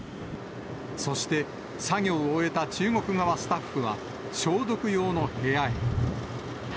そして、作業を終えた中国側スタッフは、消毒用の部屋へ。